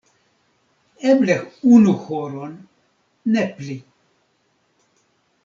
Eble unu horon, ne pli.